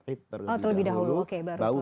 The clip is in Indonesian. id terlebih dahulu